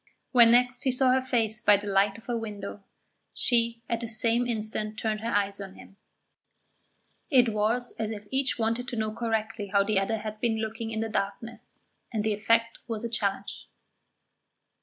When next he saw her face by the light of a window, she at the same instant turned her eyes on him; it was as if each wanted to know correctly how the other had been looking in the darkness, and the effect was a challenge.